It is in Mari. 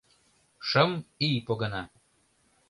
— Шым ий погына.